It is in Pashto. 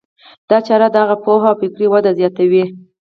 دا چاره د هغه پوهه او فکري وده زیاتوي.